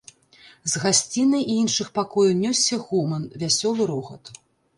З гасцінай і іншых пакояў нёсся гоман, вясёлы рогат.